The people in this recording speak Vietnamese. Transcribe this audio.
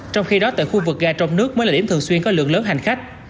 trong khi đó tại khu vực ga trong nước mới là điểm thường xuyên có lượng lớn hành khách